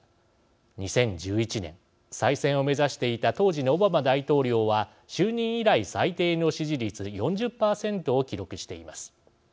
２０１１年再選を目指していた当時のオバマ大統領は就任以来最低の支持率４０％を記録しています。